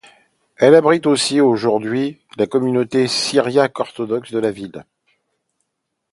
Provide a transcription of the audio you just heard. Elle abrite aussi aujourd'hui la communauté syriaque-orthodoxe de la ville.